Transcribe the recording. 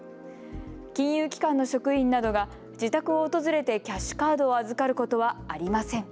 金融機関の職員などが自宅を訪れてキャッシュカードを預かることはありません。